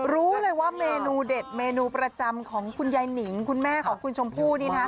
รู้เลยว่าเมนูเด็ดเมนูประจำของคุณยายหนิงคุณแม่ของคุณชมพู่นี่นะคะ